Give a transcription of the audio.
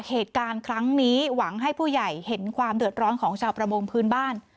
เหตุการณ์ครั้งนี้หวังให้ผู้ใหญ่เห็นความเดือดร้อนของชาวประมงพื้นบ้าน